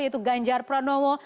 yaitu ganjar pranowo